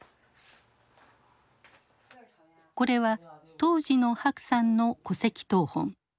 これは当時の白さんの戸籍謄本。